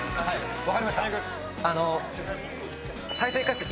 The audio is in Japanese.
分かりました？